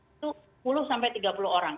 itu sepuluh sampai tiga puluh orang